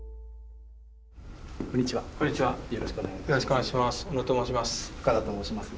よろしくお願いします。